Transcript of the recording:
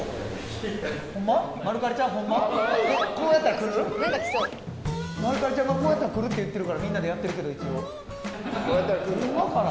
マルカリちゃんがこうやったら来るって言ってるからみんなでやってるけど一応ホンマかな。